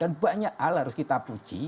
dan banyak hal harus kita puji